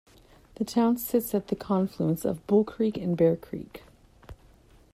The town sits at the confluence of Bull Creek and Bear Creek.